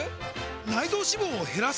内臓脂肪を減らす！？